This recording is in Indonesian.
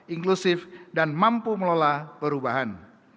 inklusif dan mampu melola perubahan